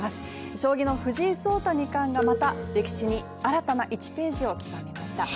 将棋の藤井聡太二冠がまた歴史に新たな１ページを刻みました。